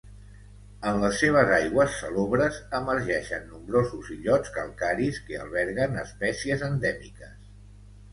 En les seves aigües salobres emergeixen nombrosos illots calcaris que alberguen espècies endèmiques.